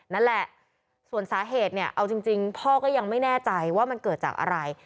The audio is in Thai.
นั่นแหละส่วนสาเหตุเนี่ยเอาจริงพ่อก็ยังไม่แน่ใจว่ามันเกิดจากอะไร